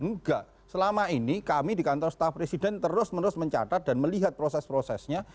enggak selama ini kami di kantor staf presiden terus menerus mencatat dan melihat proses prosesnya